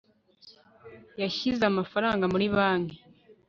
yashyize amafaranga muri banki